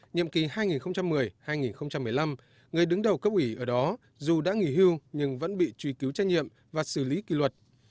nhiệm kỳ hai nghìn một mươi hai nghìn một mươi năm người đứng đầu cấp ủy ở đó dù đã nghỉ hưu nhưng vẫn bị truy cứu trách nhiệm và xử lý kỳ luật